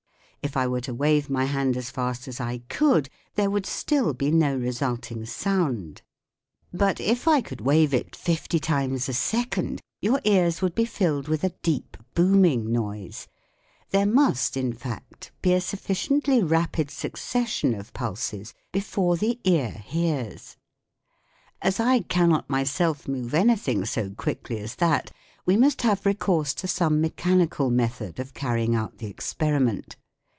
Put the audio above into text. If I were to wave my hand as fast as I could there would still be no resulting sound. But if I i , v( could wave it fifty times a second your ears would be filled with a deep booming noise : there must in fact be a sufficiently rapid succession of pulses before the ear hears. As I cannot myself move anything so quickly SOUND IN MUSIC 33 as that, we must have recourse to some mechanical method of carrying out the experiment.